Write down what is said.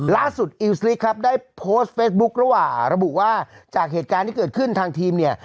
อิวสลิกครับได้โพสต์เฟสบุ๊คระหว่างระบุว่าจากเหตุการณ์ที่เกิดขึ้นทางทีมเนี่ย